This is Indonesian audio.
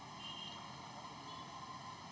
bentuk negosiasi yang belum bebas sampai sejauh ini